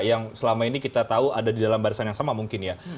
yang selama ini kita tahu ada di dalam barisan yang sama mungkin ya